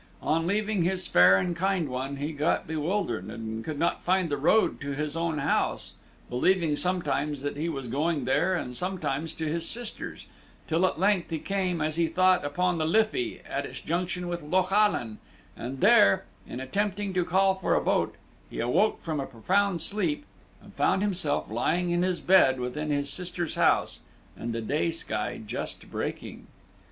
On leaving his fair and kind one, he got bewildered, and could not find the road to his own house, believing sometimes that he was going there, and sometimes to his sister's, till at length he came, as he thought, upon the Liffey, at its junction with Loch Allan; and there, in attempting to call for a boat, he awoke from a profound sleep, and found himself lying in his bed within his sister's house, and the day sky just breaking.